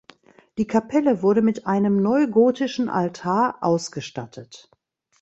Die Kapelle wurde mit einem neugotischen Altar ausgestattet.